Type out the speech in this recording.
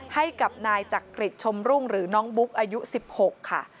ให้กับนายจักริจชมรุ่งหรือน้องบุ๊กอายุ๑๖ค่ะ